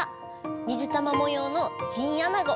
水玉もようのチンアナゴ。